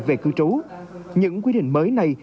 về cư trú những quy định mới này